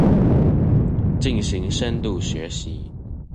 進行深度學習